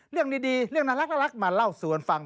เรื่องดีเรื่องน่ารักมาเล่าสวนฟัง